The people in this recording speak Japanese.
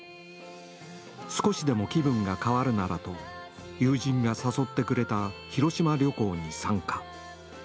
少しでも気分が変わるならと友人が誘ってくれた広島旅行に参加。